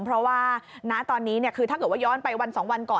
เพราะว่าณตอนนี้คือถ้าเกิดว่าย้อนไปวัน๒วันก่อน